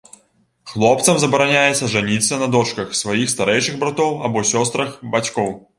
Хлопцам забараняецца жаніцца на дочках сваіх старэйшых братоў або сёстрах бацькоў.